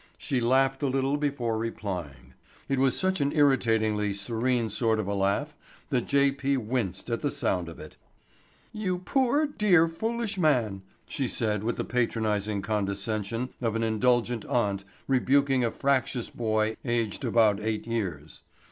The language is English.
She laughed a little before replying. It was such an irritatingly serene sort of a laugh that J. P. winced at the sound of it. "You poor, dear, foolish man," she said with the patronizing condescension of an indulgent aunt rebuking a fractious boy aged about eight years.